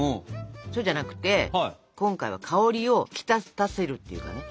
そうじゃなくて今回は香りを引き立たせるっていうかね